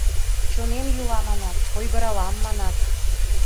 Чонем йӱла, манат, ойгыралам, манат